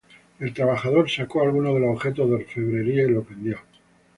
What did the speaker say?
El trabajador sacó algunos de los objetos de orfebrería y los vendió.